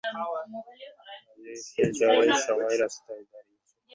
কাজেই সে ঝড়ের সময় রাস্তায় দাঁড়িয়ে ছিল।